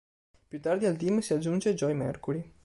Più tardi al team si aggiunge Joey Mercury.